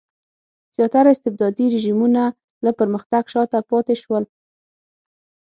زیاتره استبدادي رژیمونه له پرمختګ شاته پاتې شول.